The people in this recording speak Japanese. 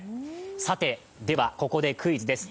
さてでは、ここでクイズです。